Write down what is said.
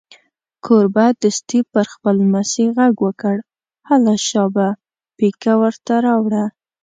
کوربه دستي پر خپل لمسي غږ وکړ: هله شابه پیکه ور ته راوړه.